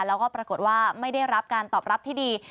แล้วก็ปรากฏว่าไม่ได้รับการตอบรับที่ดี